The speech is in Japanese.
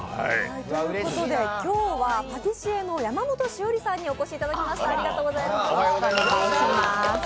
今日はパティシエの山本汐里さんにお越しいただきました。